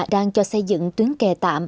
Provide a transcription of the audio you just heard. đang cho xây dựng tuyến kè tạm